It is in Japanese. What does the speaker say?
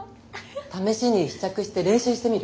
試しに試着して練習してみる？